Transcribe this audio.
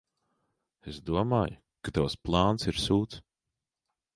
Es domāju, ka tavs plāns ir sūds.